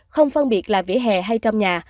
không phân biệt là vỉa hè hay trong nhà